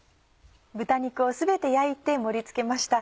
豚肉を全て焼いて盛り付けました。